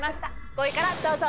５位からどうぞ。